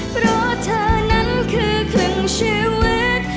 เพราะเธอนั้นคือครึ่งชีวิต